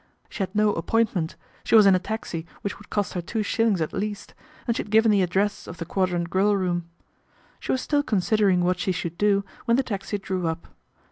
She had no appointment, she was in a taxi which would cost her two shillings at least, and she had given the address of the Quadrant Grill room. She was still considering what she should do when the taxi drew up.